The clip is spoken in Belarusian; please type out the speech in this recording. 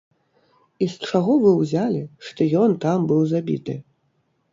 І з чаго вы ўзялі, што ён там быў забіты?